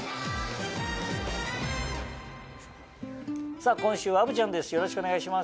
さぁ今週は虻ちゃんです